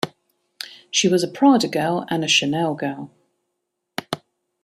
She was Prada Girl and Chanel Girl.